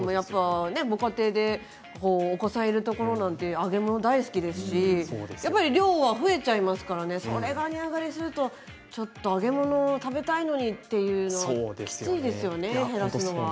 ご家庭でお子さんがいるところなんて、揚げ物が大好きですしやっぱり量は増えちゃいますからね、それが値上がりするとちょっと揚げ物を食べたいのにっていうのにきついですよね、減らすのは。